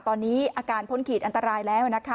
ตอนนี้อาการพ้นขีดอันตรายแล้วนะคะ